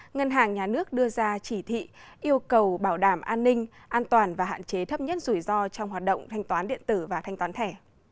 ngân hàng nhà nước đưa ra chỉ thị yêu cầu bảo đảm an ninh an toàn và hạn chế thấp nhất rủi ro trong hoạt động thanh toán điện tử và thanh toán thẻ